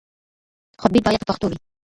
خطبې بايد په پښتو وي.